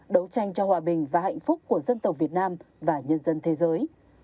đấu tranh cho hòa bình và hạnh phúc của dân tộc việt nam và nhân dân thế giới